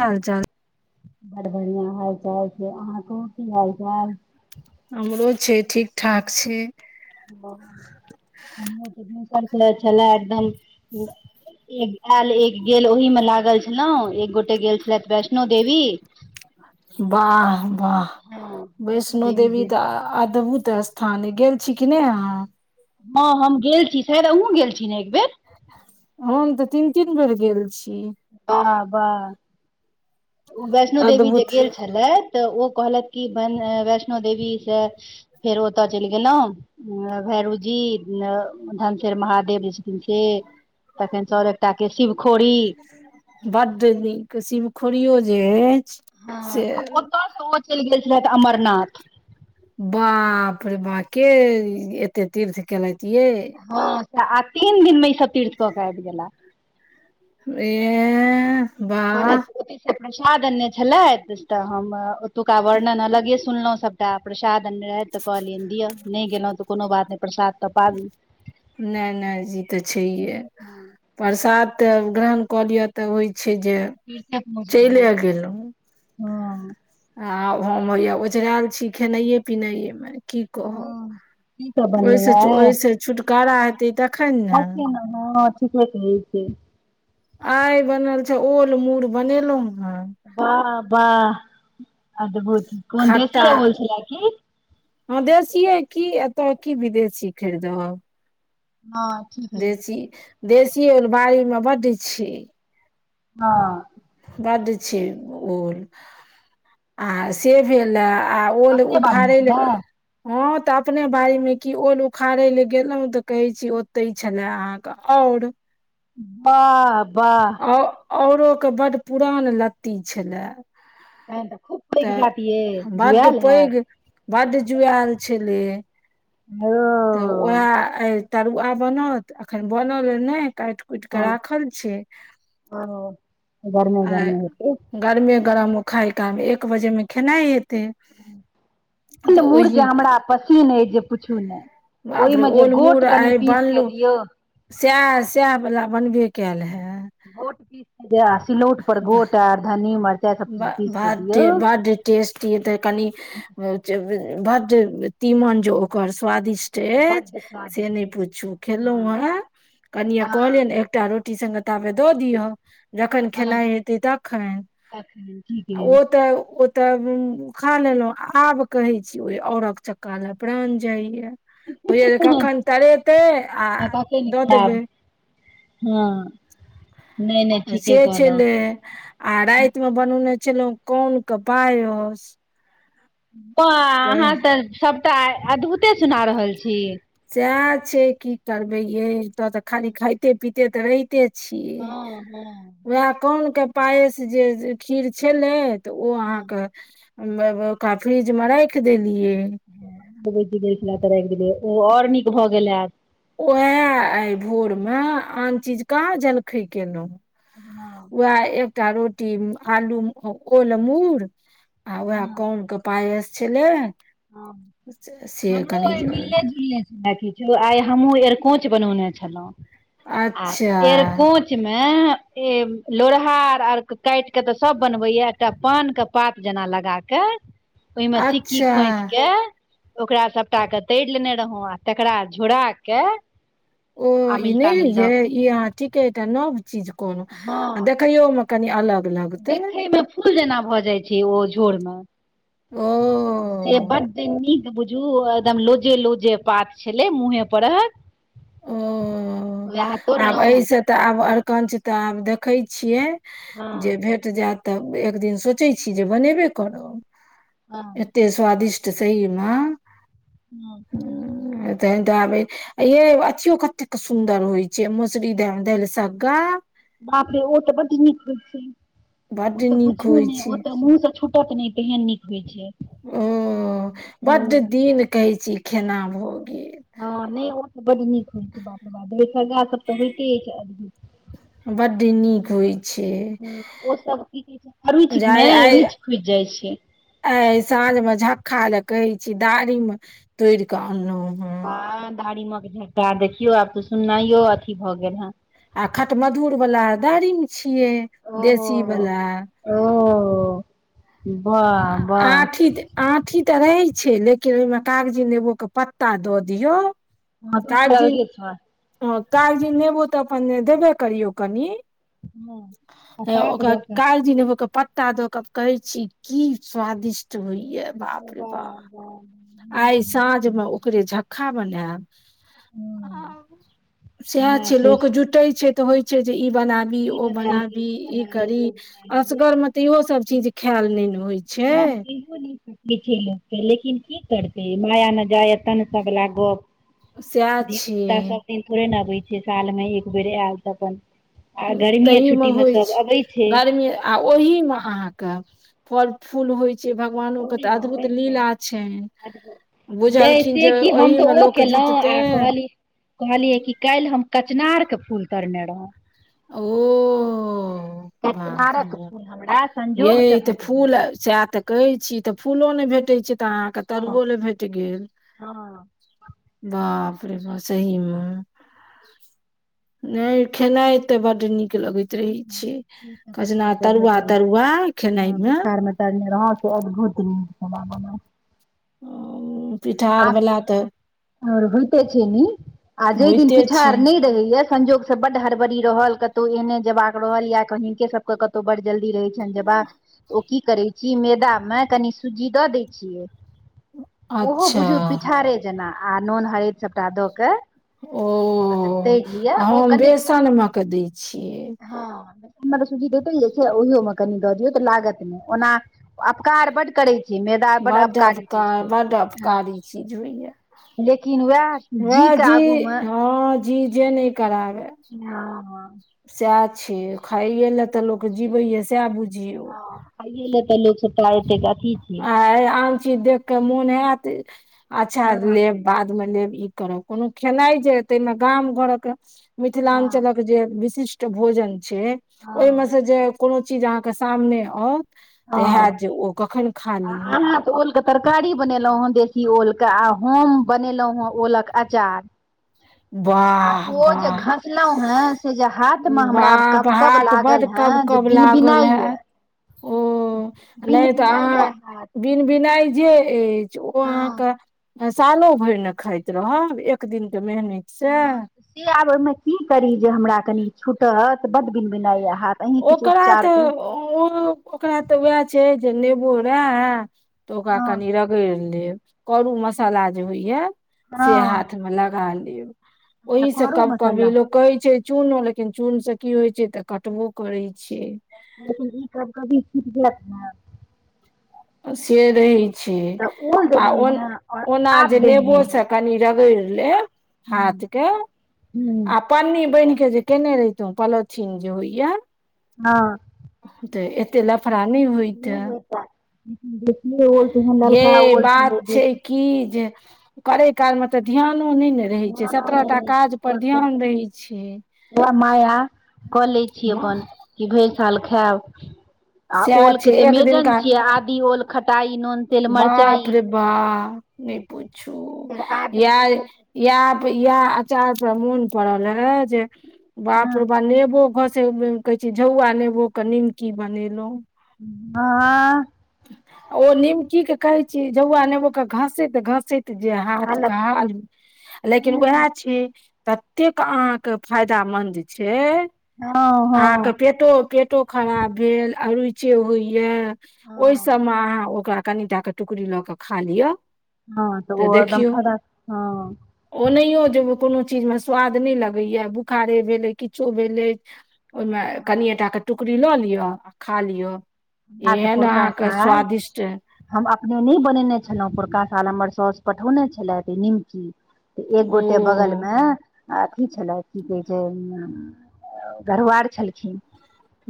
हाल चाल बड बढ़ियां हाल चाल छै अहाँ कहु की हाल चाल हमरो छै ठीक ठाक छै [unintelligible] छेला एकदम एक एल एक गेल ओहि में लागल छै एक गोटे गेल छलेथ वैष्णो देवी वाह वाह वैष्णो देवी तऽ अदभूत स्थान ए गेल छी कि नै अहाँ हँ हम गेल छी शायद अहुँ गेल छी न एक बेेर हम तऽ तीन तीन बेर गेल छी बाह बाह ओ वैष्णो देवी जे अद्भुत गेल छलैथ तऽ ओ कहलैथ कि वै वैष्णो देवी से फेर ओतऽ चैल गेलौ भैरुजी धनसेर महादेव जे छथिन से तखन स और एकटा केँ शिवखोरी बड नीक शिवखोड़ियो जे ऐछ से चैल गेल छलैथ अमरनाथ बाप रे बा केँ एते तीर्थ केँलैथ यै हऽ सैह आ तीन दिन में ई सब तीर्थ कऽ कऽ आइब गेला [unintelligible] ओती से प्रसाद आननै छलैत तऽ हम ओतुका वर्णन अलगे सुनलौ सब टा प्रसाद आननै तऽ कहलियैन दिअ नै गेलौ तऽ कोनो बात नै प्रसाद तऽ पाबी नै नै जी तऽ छैहे हँ प्रसाद तऽ ग्रहण कऽ लिअ तऽ होइ छै जे [inaudible] चैले गेलु हऽ आब हम हैया ओझरेयल छी खेनाए पिनाए में की कहब हँ की सब [inaudible] ओइस बनलै ओइस छुटकारा हेतै तऽ ऐल खीन नाना ठीके कहै छियै आइ बनल छै ओल मूर बनेलु हऽ बाह बाह अद्भुत कोन देशिए ओल छलै की हऽ देसिए की एतऽ की विदेशी खैरदब हँ ठीके देशी देशी ओल बाड़ी में बड छै हऽ बड छै ओल [inaudible] आ से भेल रहै आ ओल अपने बाड़ीमे उफारे ले छलै हऽ तऽ अपने बारी में की ओल उखाड़े ले गेलौ तऽ कहे छी ओते छले अहाँ कऽ और वाह वाह औ औरो कऽ बड पुरान लत्ती छलै तहन तऽ खूब [inaudible] पैघ हैत यै तऽ बड जुआएल हैत पैघ बड जुऐल छलै ओ [inaudible] तऽ ओहै आए तरुआ बनत अखन बनल अ नै काइट कुटि केँ राखल छै आ गर्मे आ गर्मे हेतै गरमे गरम उ खायकाल एक बजेमे खेनाइ तऽ मुर जे ओहि हमरा पसिन अइ जे पुछू नहि बापरे ओहिमे जे ओल मूड़ गोट कनि आइ पीस के बनलों दियौ सएह सएह बला बनबे कायल हा गोट पीसके दा सिलौठ पर गोट आर धन्नी मरचाइ सभ चीज पीस क दियौ बड बड टेस्टी हेतै कनि जें भद तीमन जो ओकर स्वादिष्ट बड्ड से स्वादिष्ट नहि होइ छै पूछु खेलहूँ हँ हन कनिये हँ कहलियै एकटा रोट रोटी संगे ताबे दऽ दियौ जखन हँ खेनाइ हेतै तऽखन तखन ठीके ओ तऽ तब खा लेलों आब कहै छी ओहि औरक चक्का ला प्राण जाय या होइ या जे कखन तरेतै आ दऽ देबै हाँ से छले आ राति मे बनौने छलहुँ कोन के पायस बा अहाँ कह तऽ सभटा आइ अद्भुते सुना रहल छी सएह छै की करबै ये तो तऽ खाली खाइते पीते तऽ रहिते छी हँ हँ उएह कन के पायस जे खीर छलै तऽ ओ हँ अहाँके फ्रिज मे राख देलियै राखि देलियै ओ आओर नीक भऽ गेल हायत उहाए आइ भोर मे आन चीज कहाँ जलखै केलहुँ ना वहाए एकटा रोटी आलू कोलमुर आ ओह कोनके पायस छलै से हमे हमरो कनि आइ मिलले झुले आइ हमहुँ एरकोच बनौने छलहुँ आ अच्छा एरकोच मे ए लोरहा आर काटि के तऽ सब बनबै या एकटा पान के पात जेना लगा के ओहिमे सिक्की अच्छा ए ओकरा सभटा क तइर लेने रहौँ आ तकरा झोड़ाकऽ ओ इ नहि ईएय ई अहाँ ठीके एकटा नव चीज कोनो हँ देख यौ म कनी अलग लगतै देखयमे फूल जेना भऽ जाइ छै ओ झोरमे ओ से बड्ड नीक बुझू एकदम लोजे लोजे पात छलै मुँहे परहक ओ आब एहिस तऽ आब आरकंच तऽ आब देखै छियै जे भे- जायत तऽ एक दिन सोचै छी जे बनेबे हँ करब एते स्वादिष्ट त सहीमे हाँ तहन तऽ आबै येए अथियो कतेक सु - सुन्दर होइ छै मसुरी देल सागा बाप रे ओ तऽ बड नीक होई छै बड्ड ओ तऽ नीक पूछू होइ ने छै ओ तऽ मुह से छू- -ट त नहि तेहन नीक होइ छै ओ हँ बड्ड दिन कहै छी खेना भ गेल हाँ नहि ओ त बड नीक होइत छै बाप रे बाप दलि सगा सभ तऽ होइते अछि अद - बड्ड नीक होइ छै ओ सब की कहै छै हरुचि जे मे आइ आइ रुचि खुजि जाइ छै आइ साँझ मे झक्का ला कहै छी दारिम मे तोड़ के अनलहूँ बा धारीमक झट्टा देखियो आब तऽ सुनाइयो अथी भऽ गेल ह आ खट मधुर वला दारी मे छिये ओ - ओ वाह - वाह आठी आठी तऽ रहै छै लेकिन ओहिमे कागजी नेबो कऽ पत्ता दऽ दियौ हँ तऽ ओकर अलगे स्वाद हँ कागजी नेेबो तऽ अपन देबे करियौ कनि हँ आ हे पात ओकर जकाँ कागजी निबो प त्ता दऽ कऽ कहे छी की स्वादिष्ट होइय बाप रे बाप हँ आइ साँझ मऽ ओकरे झ खा बनाएब हँ सैह एना छै लोक सोच जुटै छै तऽ होइ छै जे ई बनाबी ई ओ बना ली बनाबी ओ ई बना ली करी ओ बना ली लेकिन असगरमे तऽ से की इहोसभ चीज करू खायल नय न होइ छै आब देहो सकै छै लोकके लेकिन की करतै माया न जाय एतन बला गप सएह धिय पुता सभ छियै दिन थोरे नऽ अबै छै सालमे एक बेर आयल तऽ अपन आ गर्मीए तई मऽ छुट्टी मे होइछ सब अबै छै गरमी आ ओहि मे अहाँ कऽ फल फूल होइ छै भ गवानो कऽ ओहि तऽ मे अद्भुत लीला छैन यै से कि हम तऽ ओ लोक केलहुँ जुटतै आ कहली कहलियै कि काइल हम कचनाारर के फूल तरने रहौ ओ बाप रे कचनारक बाप फूल हमरा यै संजोग से इ तऽ भेट गेल फूल सैह तऽ कहै छी ई तऽ फूलो नय भेटैत छै तऽ अहाँ कऽ हँ तरुओ लऽ भेट गेल हँ बाप रे बाप सही मऽ नाय खेनाय तऽ बड्ड नीक लगैत रहे छै हँ, से कचनार कचनारके भेटल तरुआ-तरुआ खेनाइ हँ मऽ पिठार मे तरने रहू से अद्भुत नीक खेनाइ बनल आब पिठारवला तो आओर होइतो छै निक आ जय दिन छै पिठार नय रहैय संजोग सँ बड हड़बड़ी रहल कतहु एहने जेबाक रहल या कहि हिनके सब केँ कतहु बड़ जल्दी रहै छनि जेबा ओ की करै छी मैदामे कनि सुजी दऽ दै छियै ओहो अच्छा बुझू पिठारे जेना आ नून हरैद सभटा दऽ कऽ ओ तैर लिअ आ ओ हम कनि बेसन मऽ कऽ दै छियै हँ सूजी देेते जे छै ओहियो मऽ कनि दऽ दियौ तऽ लागत नय ओना अपकार बड्ड करै छै मैदा बड्ड अपकारी चीज अकार होइ बड्ड अकारी चीज होइ य लेकिन वैह वैह जी हँ जी जे नय कराबै हँ - हँ सैह छै खायए लऽ तऽ लोक जीबै य सैह बुझियै हँ खाये लऽ तऽ लोक सबटा एतै अथी छै आय आम चीज देख कऽ मोन हैत अच्छा हँ लेब बादमे लेब ई करब कोनो खेनाइ जे ताहिमे गाम घरक मिथिलांचलक जे विशिष्ट भोजन छै, ओहिमे से जे कोनो चीज अहाँके सामने आउत। तेँ हेत जे ओ कखन खा ली। अ तऽ ओल कऽ तरकारी बनेलहुँ हेँ देशी ओल कऽ आ होम बनेलहुँ हेँ ओलक अचार। [inaudible] आ वाह ओ जे वाह घसलहु हेँ से जे हाथ मे हमरा वाह कब-कब भात बड लागल हे। हँ कब जे कब बिन-बिना लागल यऽ हैत ओ बिन-बिना यऽ हाथ। बिन-बिनाय जे अछि ओ हँ अहाँके। सालो भरि नऽ खाइत रहब एक दिनक के मेहनत से। हँ से आब ओहिमे की करी जे हमरा कनि छुटत, बड बिन बना यऽ हाथ। अहीं किछु ओकरा उपचार तऽ करू ओ। ओ ओकरा तऽ वएह छै जे नेबो रहे तऽ ओकरा हँ कनि रगरु रगेर लेब, करू मसाला जे होइया से हँ हाथ मे लगा लेब। अच्छा ओहि से करू कब कभी मसल्ला लोक कहै छै चून लेकिन चून से की होइ छै तऽ कटबो। करै छै लेकिन ई कभ-कभी छुट जेत ना। से रहै छै तऽ ओल आ देलियै ओन। हेँ आओर ओना आब जे देलियै नेबो से कनि रगड़ि लेब हाथ के। हूँ आ पन्नी बान्हि के जे केने रहितु पोलोथिन जे होइया हँ। तऽ एते लफड़ा नहि होयते होइता लेकिन देखियै ओल तेहन ललका ये ओल छलै बात छै। बेसी की जे करे काल मे तऽ ध्यानो नहि नऽ। रहै छै ध्यानो सत्रह नहि टा काज पर ध्यान रहै छै उहे माया कऽ लै छी अपन कि भरि साल खायब आ सएह ओल छै के तऽ एक मेजन दिनका छियै आदी ओल खटाइ नुन तेल मरचाई नेय पुछु [unintelligible] इएह इएह आचार सब पर मोन पड़ल हे जे बाप रो बा नेबो घस कहे छी झौआ नेबोे निमकी बनेलहुं हाय ओ नीमकी के कहे छी जहुआ नेबो कऽ घसेत घसेत जे हाथ हालत काज लेकिन उएह हँ छै ततेक अहाँके फायदामंद छै अहाँके हँ पेत पेटो पेटो खराब भेल अरुचे होइया ओहि सब हँ मऽ अहाँ ओकरा कनिटा के टुकड़ी लऽ के खा लिअ हँ तऽ ओदम फयदा हँ ओनहिओ जे कोनो चीज मऽ स्वाद नहि लगैए बुखारे भेलै किछो भेलै ओहिमे कनिए टा के टुकड़ी लऽ लिअ आ खा लियो हमरा तऽ एहन आ पुरका साल हम अपने नय बनेने छलहुँ पोरका साल हमर सौस पठौने छलथि निमकी तऽ एक ओ गोटे बगल मे अथी छलए की कहै छै घरबार छलखिन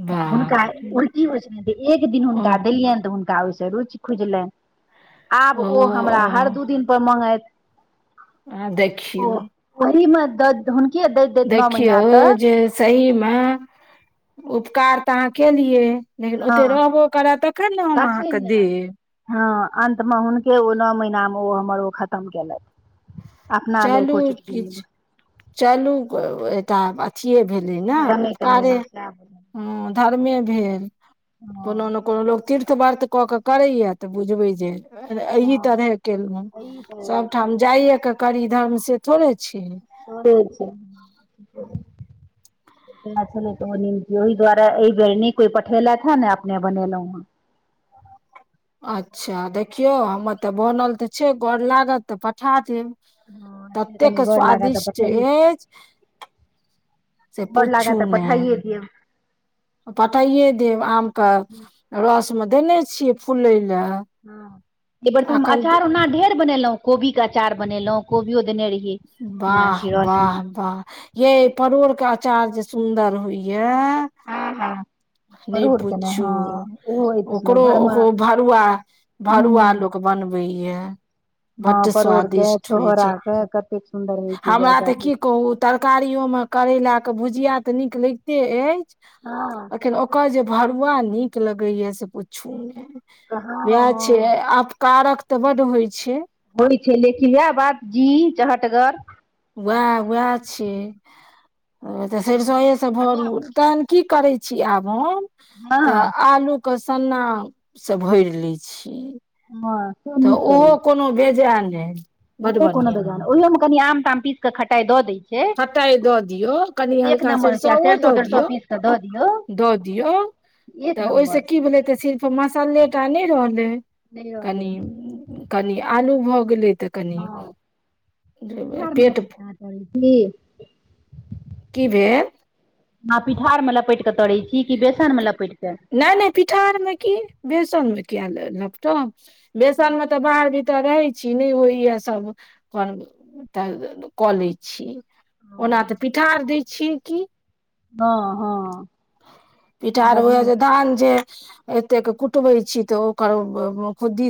बाप हुनका रे उल्टी होइ छै जे एक दिन ओ हुनका देलियनि तऽ हुनका ओहिसँ रुचि खुजलनि आब ओ हमरा हर दू दिन पर मंगैत हे देखियौ ओही मे द हुनके दैत दैत नओ महिना तक सही मे उपकार तऽ अहाँ केलियए लेकिन हँ ओते रहबो करै तखन ने हम तखन अहाँके ने देब हँ अन्त मे हुनके ओ नओ महीना मे ओ हमर ओ खतम केलथि अपना लऽ चलू एको चुटकी नहि किछु चलू [unintelligible] छिए भेले ने कमे उपकारे कमेलहुँ सएह बुझलहुँ। हू धर्मे भेल कोनो हँ ने कोनो लोक तीर्थ वर्त कऽ कऽ करैए तऽ बुझबै जे ए अहि हँ तरहे केलहुँ ई सबठाम स्टोरेज जाइए के करी धर्म से थोड़े छै करे छै छल ओ ओहि द्वारा ई बेर ने कोइ पठेलैत हन ने अपने बनेल हुाँ अच्छा देखियौ हमर तऽ बनल तऽ छै गर लागत तऽ पठा देब हँ से तत्येक कनि गोर लागऽ तऽ स्वदिष्ट पठाइए ऐछ से बड़ लागै पूछू तऽ ने पठाइए दियौ पटाइए देब आम कऽ रस मे देने छियै फुलय लए हँ एहिबेर तऽ हम अखन त अचार ओना ढेर बनेलहुं कोबी के अचार बनेलहुं कोबियो देने रहि वाह वाह वाह ये परोड़ के अचार जे सुंदर होइ ये हँ हँ नहि परोड़ के ने पूछू हँ ओहो होइत छलै ओकरो घरमे ओकरो भरुआ भरुआ हूँ लोक तऽ बनबै ये हँ बडड परोड़ के स्वादिष्ट होइ छोहरा छै के कतेक सुन्दर होइ छै जे हमरा तऽ अचार की कहू तरकारियो मे करैला कऽ भुजिया तऽ नीक लगिते ए हँ अखिन ओकर जे भरुआ नीक लगेया से पुछू ने हँ वैएह छै हँ अपकारक तऽ बड होइ छै होइ छै लेकिन इएह बात जी चहटगर उएह उएह छैऽ सरसोए सऽ भरू ते की करै छी आब हम हँ तऽ आलू कऽ सन्ना सऽ भरि ले छीिय [unintelligible] तऽ ओहो करै छै, कोनो बेजाय नहि बड ओहो कोनो बढ़िआँ बेजा नइ ओयो मे कनि आम ताम पीस क खटाइ दऽ दै छै खटाइ दऽ दियौ कनि तऽ एक हल्का नम्बर होइ छै सेरसो आ ओ सरिसो दऽ तरिसो दियौ पीस कऽ दऽ दियौ दऽ दियौ एक तऽ ओहिस नम्बर की भेलय तऽ सि मसाले टा नइ रहल नहि रहलै कनि कनि आलू भऽ गेलय हँ पिठारमे लाँ पेट चै छी कि भेल अहाँ पिठारमे लपेटि कऽ तरै छी कि बेसनमे लपेटि कऽ नहि नहि पिठार में की बेसन मे किया ले लपटम बेसन में तऽ बाहर तऽ रहै छी नहि होइय सब कर तऽ कऽ लै छी ओना तऽ पिठार दै छियै की हँ हँ पिठार बड होह नीक जे धान जे एतेक कुटबे छी तऽ ओकर खुदी